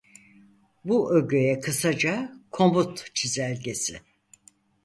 Bu ögeye kısaca "komut çizelgesi".